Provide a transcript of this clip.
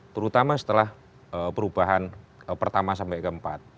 terutama setelah perubahan pertama sampai ke empat